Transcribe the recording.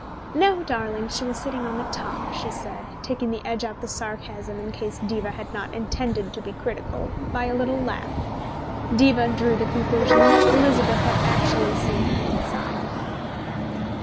"No, darling, she was sitting on the top," she said, taking the edge off the sarcasm, in case Diva had not intended to be critical, by a little laugh. Diva drew the conclusion that Elizabeth had actually seen her inside.